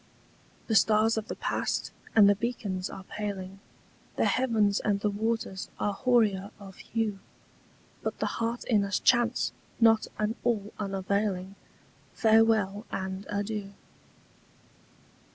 The stars of the past and the beacons are paling, The heavens and the waters are hoarier of hue: But the heart in us chants not an all unavailing Farewell and adieu.